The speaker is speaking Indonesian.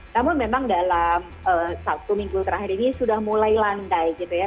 namun memang dalam satu minggu terakhir ini sudah mulai landai gitu ya